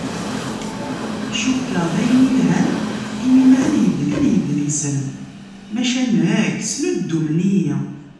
Cukkeɣ d ayen yelhan imi mazal llan yedlisen, maca nekk snuddumen-iyi.